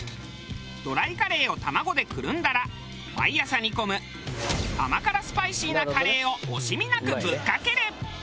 ドライカレーを卵でくるんだら毎朝煮込む甘辛スパイシーなカレーを惜しみなくぶっかける！